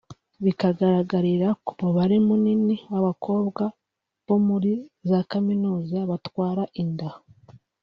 bikagaragarira ku mubare munini w’abakobwa bo muri za Kaminuza batwara inda